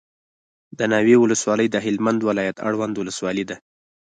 دناوی ولسوالي دهلمند ولایت اړوند ولسوالي ده